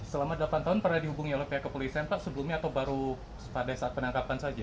selama delapan tahun pernah dihubungi oleh pihak kepolisian pak sebelumnya atau baru pada saat penangkapan saja